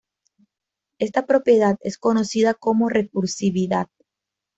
Esta propiedad es conocida como recursividad.